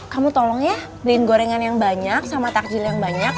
kamu tolong ya beliin gorengan yang banyak sama takjil yang banyak